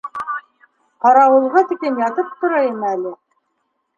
Ҡарауылға тиклем ятып торайым әле.